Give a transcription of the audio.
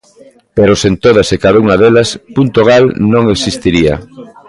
Pero sen todas e cada unha delas, PuntoGal non existiría.